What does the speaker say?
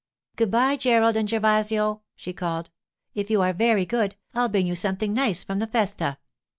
'Good bye, Gerald and Gervasio,' she called. 'If you are very good, I'll bring you something nice from the festa.